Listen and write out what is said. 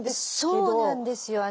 そうなんですよ。